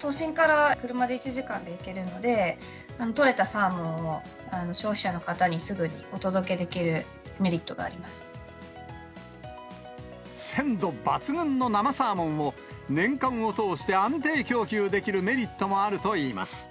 都心から車で１時間で行けるので、取れたサーモンを消費者の方にすぐにお届けできるメリットがあり鮮度抜群の生サーモンを、年間を通して安定供給できるメリットもあるといいます。